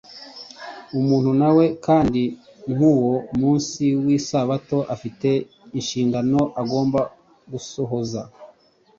Umuntu na we kandi k'uwo munsi w'isabato afite inshingano agomba gusohoza.